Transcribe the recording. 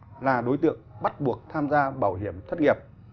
viên chức là đối tượng bắt buộc tham gia bảo hiểm thất nghiệp